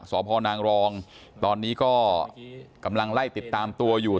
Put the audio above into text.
สพนางรองตอนนี้ก็กำลังไล่ติดตามตัวอยู่